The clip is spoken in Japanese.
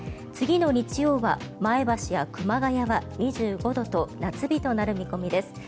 次の日曜は前橋や熊谷は２５度と夏日となる見込みです。